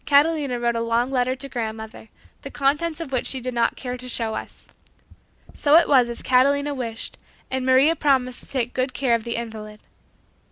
Catalina wrote a long letter to grandmother, the contents of which she did not care to show us. So it was as Catalina wished, and Maria promised to take good care of the invalid.